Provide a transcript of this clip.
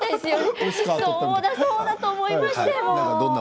そうだと思いましたよ。